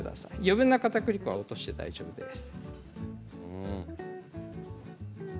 余分なかたくり粉は落として大丈夫です。